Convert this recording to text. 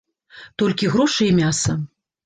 Толькі грошы і мяса.